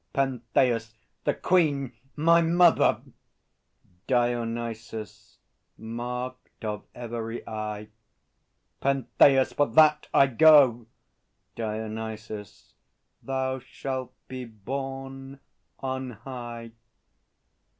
PENTHEUS. The Queen, my mother. DIONYSUS. Marked of every eye. PENTHEUS. For that I go! DIONYSUS. Thou shalt be borne on high!